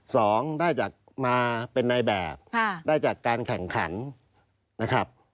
สองได้จากมาเป็นนายแบบค่ะได้จากการแข่งขันนะครับ